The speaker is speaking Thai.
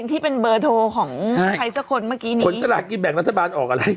ที่เป็นเบอร์โทนของใช่ใครเจ้าคนเมื่อกี้นี้ผลสละกิจแบ่งรัฐบาลออกอ่ะหล่ะ